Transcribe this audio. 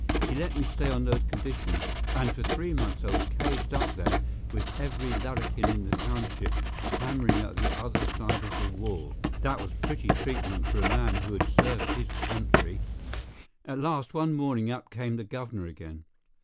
He let me stay on those conditions; and for three months I was caged up there with every larrikin in the township clamoring at the other side of the wall. That was pretty treatment for a man that had served his country! At last, one morning up came the governor again.